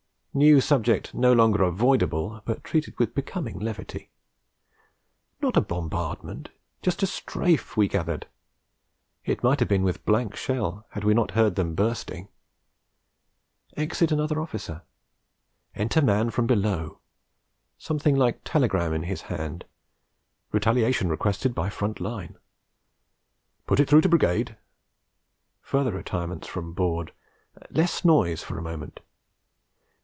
New subject no longer avoidable, but treated with becoming levity. Not a bombardment, just a Strafe, we gathered; it might have been with blank shell, had we not heard them bursting. Exit another officer; enter man from below. Something like telegram in his hand: retaliation requested by front line. 'Put it through to Brigade.' Further retirements from board; less noise for moment.